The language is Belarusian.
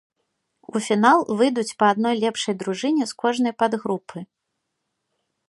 У фінал выйдуць па адной лепшай дружыне з кожнай падгрупы.